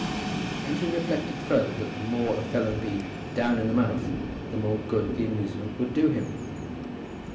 And he reflected further that the more a fellow be "down in the mouth," the more good the amusement would do him.